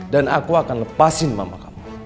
dan aku akan lepasin mama kamu